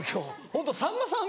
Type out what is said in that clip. ホントさんまさん